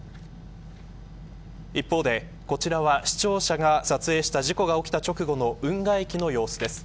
一方で、こちらは視聴者が撮影した事故が起きた直後の運河駅の様子です。